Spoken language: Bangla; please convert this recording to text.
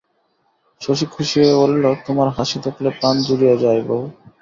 শশী খুশি হইয়া বলিল, তোমার হাসি দেখলে প্রাণ জুড়িয়ে যায় বৌ।